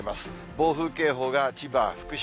暴風警報が千葉、福島。